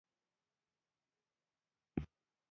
د باد کلنجو، قوت باه او خصیه الصعالب داروګان درلودل.